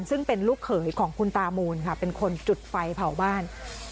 ซึ่งเป็นลูกเขยของคุณตามูลค่ะเป็นคนจุดไฟเผาบ้าน